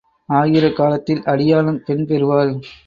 ஆகிற காலத்தில் அடியாளும் பெண் பெறுவாள்.